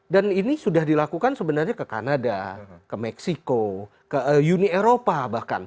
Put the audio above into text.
ini sudah dilakukan sebenarnya ke kanada ke meksiko ke uni eropa bahkan